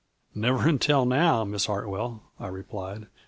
" Never until now, Miss Hartwell," I replied.